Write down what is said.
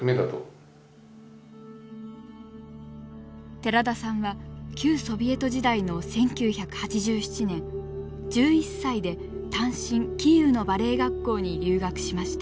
寺田さんは旧ソビエト時代の１９８７年１１歳で単身キーウのバレエ学校に留学しました。